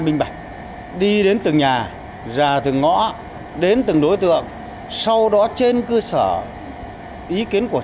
minh bạch đi đến từng nhà ra từng ngõ đến từng đối tượng sau đó trên cơ sở ý kiến của